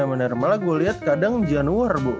nah bener malah gue liat kadang januar bu